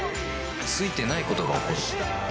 ついてないことが起こる